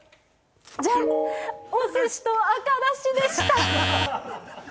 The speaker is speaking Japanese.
じゃん、おすしと赤だしでした。